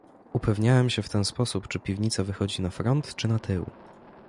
"Upewniałem się w ten sposób, czy piwnica wychodzi na front, czy na tył."